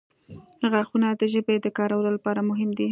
• غاښونه د ژبې د کارولو لپاره مهم دي.